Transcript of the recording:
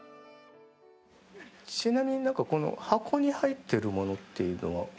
ちなみに、この箱に入っているものというのは。